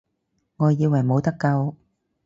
我以為冇得救